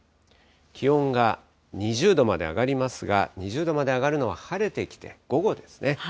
気温が２０度まで上がりますが、２０度まで上がるのは晴れてきて、午後ですね。